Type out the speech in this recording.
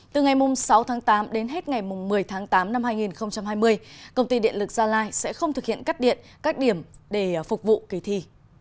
từ ngày sáu tháng tám đến hết ngày một mươi tháng tám năm hai nghìn hai mươi công ty điện lực gia lai sẽ không thực hiện cắt điện các điểm để phục vụ kỳ thi